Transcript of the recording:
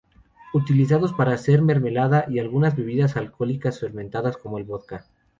Utilizados para hacer mermelada y algunas bebidas alcohólicas fermentadas, como el vodka.